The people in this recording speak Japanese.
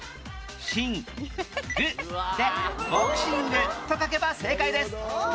「しん」「ぐ」でボクシングと書けば正解です